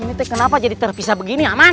ini kenapa jadi terpisah begini aman